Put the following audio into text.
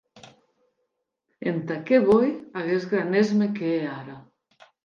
Entà qué voi aguest gran èsme qu’è ara?